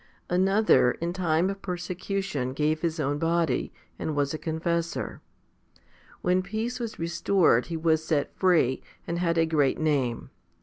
15. Another in time of persecution gave his own body, and was a confessor. When peace was restored, he was set free, and had a great name.